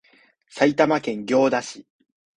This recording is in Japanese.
埼玉県行田市